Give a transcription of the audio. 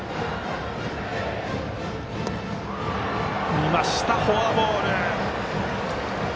見ました、フォアボール。